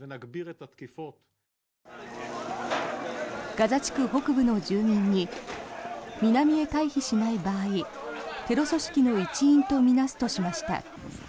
ガザ地区北部の住民に南へ退避しない場合テロ組織の一員と見なすとしました。